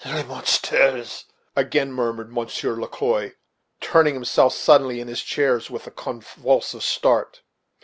"Les monstres!" again murmured Monsieur Le Quoi, turning himself suddenly in his chair, with a convulsive start.